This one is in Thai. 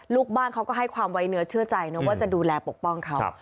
ลูกบ้านเขาก็ให้ความไว้เนื้อเชื่อใจนะว่าจะดูแลปกป้องเขา